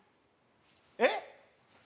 えっ？